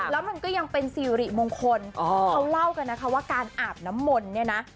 แล้วมันก็ยังเป็นสิริมงคลเขาเล่ากันนะคะว่าการอาบน้ำมนต์เนี่ยนะ